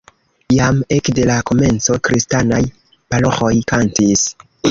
Jam ekde la komenco kristanaj paroĥoj kantis.